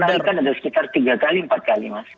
tarikan ada sekitar tiga kali empat kali mas